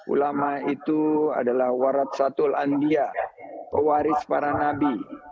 ulama itu adalah warat satul andia pewaris para nabi